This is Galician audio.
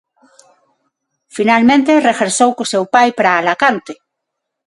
Finalmente regresou co seu pai para Alacante.